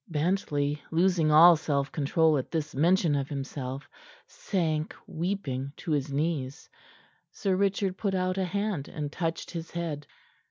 Bentley, losing all self control at this mention of himself, sank weeping to his knees. Sir Richard put out a hand, and touched his head.